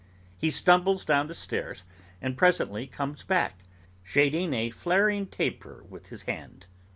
He stumbles down the stairs and presently comes back, shading a flaring taper with his hand.